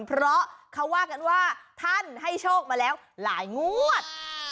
เพราะเขาว่ากันว่าท่านให้โชคมาแล้วหลายงวด